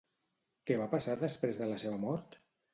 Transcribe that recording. Què va passar després de la seva mort?